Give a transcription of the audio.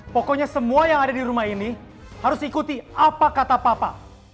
pokoknya semua yang ada di rumah ini harus ikuti apa kata papa